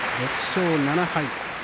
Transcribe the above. ６勝７敗。